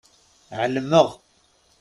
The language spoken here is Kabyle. Ɛelmeɣ.